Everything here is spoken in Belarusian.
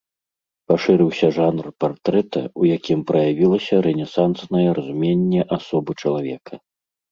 Пашырыўся жанр партрэта, у якім праявілася рэнесанснае разуменне асобы чалавека.